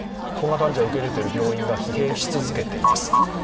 コロナ患者を受け入れている病院が疲弊し続けています。